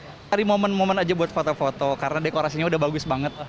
cari momen momen aja buat foto foto karena dekorasinya udah bagus banget